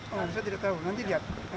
kalau saya tidak tahu nanti lihat